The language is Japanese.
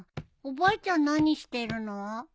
おばあちゃん何してるの？